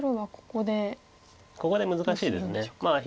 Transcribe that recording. ここで難しいです。